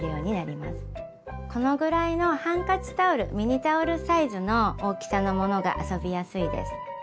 このぐらいのハンカチタオルミニタオルサイズの大きさのものが遊びやすいです。